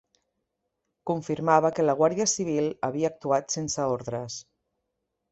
Confirmava que la Guàrdia Civil havia actuat sense ordres